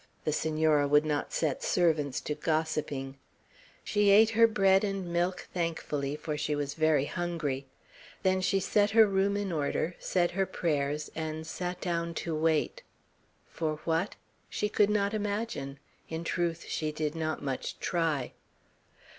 The Senora would not set servants to gossiping. She ate her bread and milk thankfully, for she was very hungry. Then she set her room in order, said her prayers, and sat down to wait. For what? She could not imagine; in truth, she did not much try.